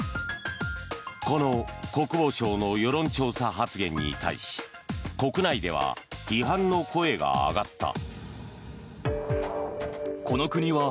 この国防相の世論調査発言に対し国内では批判の声が上がった。